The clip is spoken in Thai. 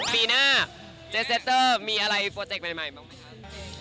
ปีหน้าเจสเซสเตอร์มีอะไรโปรเจคใหม่บ้างไหมคะ